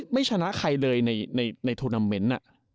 ไม่ชนะใครเลยในโทรนาเมนต์